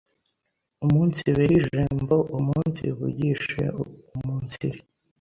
umunsibehe ijembo, umunsivugishe uumunsiri,